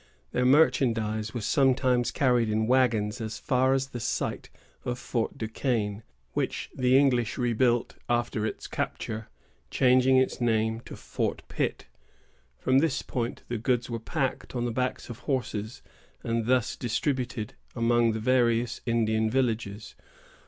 Their merchandise was sometimes carried in wagons as far as the site of Fort du Quesne, which the English rebuilt after its capture, changing its name to Fort Pitt. From this point the goods were packed on the backs of horses, and thus distributed among the various Indian villages.